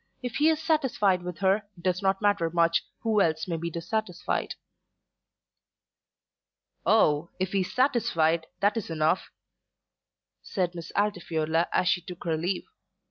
If he is satisfied with her, it does not matter much who else may be dissatisfied." "Oh, if he is satisfied, that is enough," said Miss Altifiorla as she took her leave.